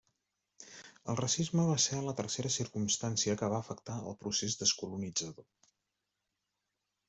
El racisme va ser la tercera circumstància que va afectar el procés descolonitzador.